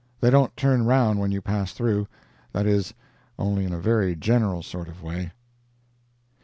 They don't turn around when you pass through. That is, only in a very general sort of way.